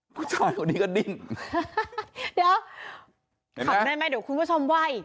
ผู้ชายคนนี้ก็ดิ้นเดี๋ยวขำได้ไหมเดี๋ยวคุณผู้ชมไหว้